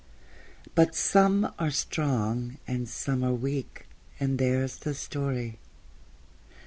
But some are strong and some are weak, And there's the story.